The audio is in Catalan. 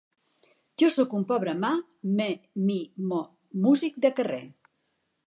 Jo sóc un pobre ma, me, mi, mo músic de carrer.